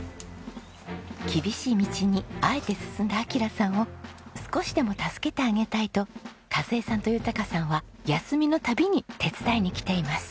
厳しい道にあえて進んだ晶さんを少しでも助けてあげたいと和枝さんと豊さんは休みの度に手伝いに来ています。